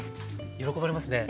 喜ばれますね。